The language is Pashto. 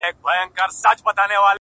ستا دردونه دي نیمی و ماته راسي,